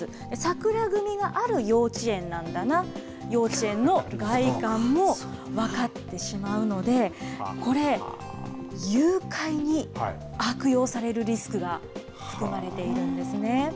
さくら組がある幼稚園なんだな、幼稚園の外観も分かってしまうので、これ、誘拐に悪用されるリスクが含まれているんですね。